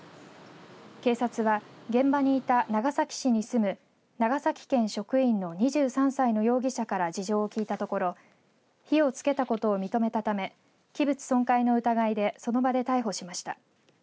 警察は現場にいた長崎市に住む長崎県職員の２３歳の容疑者から事情を聞いたところ火をつけたことを認めたため器物損壊の疑いでその場で逮捕しました。